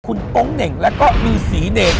คุณต้องเห็นแล้วก็มีสีเด็ก